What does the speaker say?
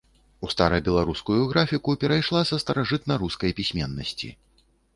У старабеларускую графіку перайшла са старажытнарускай пісьменнасці.